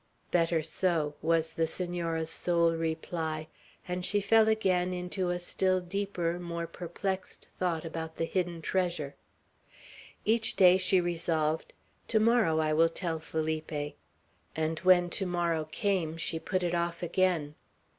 "Better so," was the Senora's sole reply; and she fell again into still deeper, more perplexed thought about the hidden treasure. Each day she resolved, "To morrow I will tell Felipe;" and when to morrow came, she put it off again.